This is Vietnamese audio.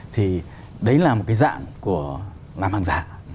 thì đấy là một cái dạng của làm hàng giả